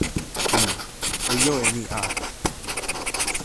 n. o jo e ni a.